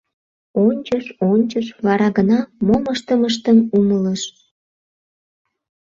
Ончыш, ончыш, вара гына мом ыштымыштым умылыш.